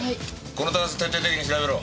このタンス徹底的に調べろ。